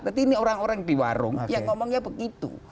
tapi ini orang orang di warung yang ngomongnya begitu